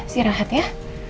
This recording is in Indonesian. sih rahat ya